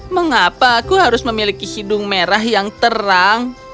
mengapa aku harus memiliki hidung merah yang terang